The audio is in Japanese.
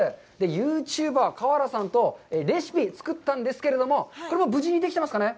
ユーチューバー川原さんとレシピを作ったんですけれども、無事にできてますかね？